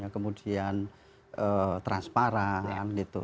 kemudian transparan gitu